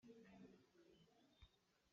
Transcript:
Mirang nih kawlram kum saupi an uk.